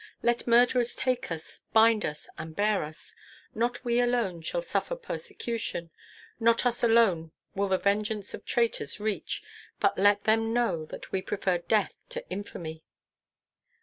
Let murderers take us, bind us, and bear us. Not we alone shall suffer persecution, not us alone will the vengeance of traitors reach; but let them know that we prefer death to infamy."